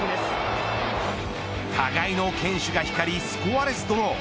互いの堅守が光りスコアレスドロー。